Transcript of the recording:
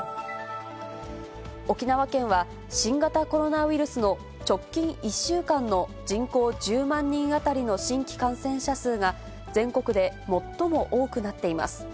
沖縄県は、新型コロナウイルスの直近１週間の人口１０万人当たりの新規感染者数が、全国で最も多くなっています。